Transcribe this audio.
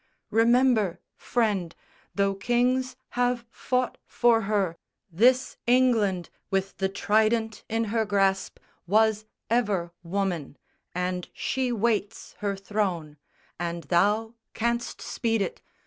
Remember, friend, though kings have fought for her, This England, with the trident in her grasp, Was ever woman; and she waits her throne; And thou canst speed it.